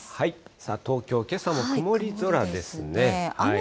さあ、東京、けさも曇り空ですね。